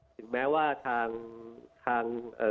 ถึงแม้ว่าทาง